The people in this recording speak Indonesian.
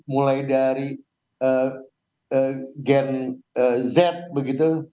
mulai dari gen z begitu